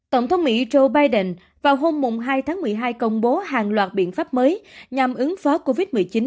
tổng thống mỹ joe biden vào hôm hai tháng một mươi hai công bố hàng loạt biện pháp mới nhằm ứng phó covid một mươi chín